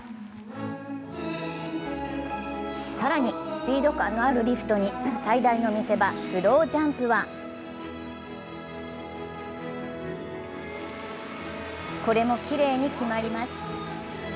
更にスピード感のあるリフトに最大の見せ場・スロージャンプはこれもきれいに決まります。